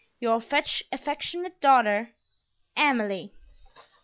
Your affectionate daughter, Emily.